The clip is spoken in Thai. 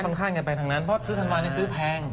ค่อนข้างจะไปทางนั้นเพราะซื้อธันวาธุ์นี้ซื้อแพง